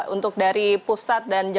untuk dari pusat dan